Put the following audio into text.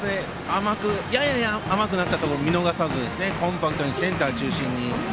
やや甘くなったところを見逃さず、コンパクトにセンター中心に。